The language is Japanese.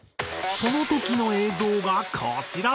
その時の映像がこちら。